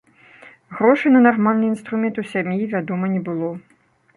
Грошай на нармальны інструмент у сям'і, вядома, не было.